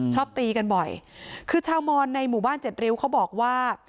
ตีกันบ่อยคือชาวมอนในหมู่บ้านเจ็ดริ้วเขาบอกว่า